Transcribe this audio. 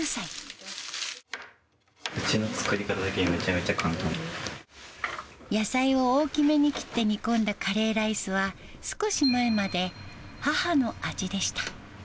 うちの作り方はめちゃめちゃ野菜を大きめに切って煮込んだカレーライスは、少し前まで母の味でした。